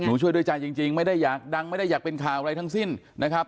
ช่วยด้วยใจจริงไม่ได้อยากดังไม่ได้อยากเป็นข่าวอะไรทั้งสิ้นนะครับ